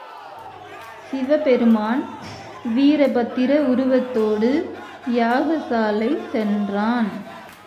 சிவபெருமான் வீரபத்திர உருவத்தோடு யாகசாலை சென்றான்.